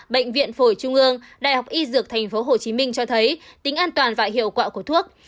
bệnh viện phổi trung ương đại học y dược tp hcm cho thấy tính an toàn và hiệu quả của thuốc